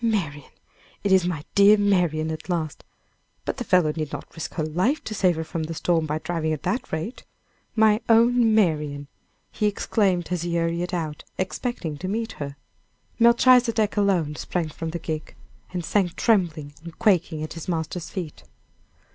"Marian! it is my dear Marian at last; but the fellow need not risk her life to save her from the storm by driving at that rate. My own Marian!" he exclaimed, as he hurried out, expecting to meet her. Melchizedek alone sprang from the gig, and sank trembling and quaking at his master's feet.